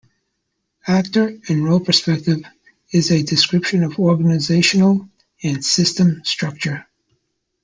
Actor and role perspective is a description of organisational and system structure.